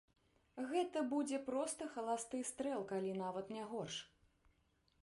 Гэта будзе проста халасты стрэл, калі нават не горш.